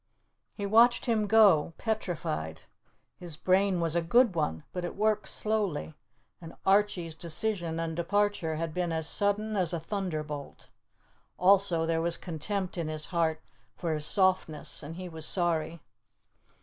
He watched him go, petrified. His brain was a good one, but it worked slowly, and Archie's decision and departure had been as sudden as a thunderbolt. Also, there was contempt in his heart for his softness, and he was sorry.